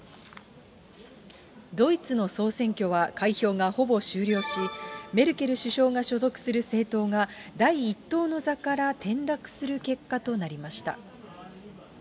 ドイツの総選挙は開票がほぼ終了し、メルケル首相が所属する政党が第１党の座から転落する結果となりました。